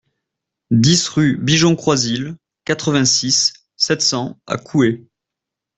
dix rue Bigeon Croisil, quatre-vingt-six, sept cents à Couhé